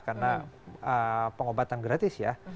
karena pengobatan gratis ya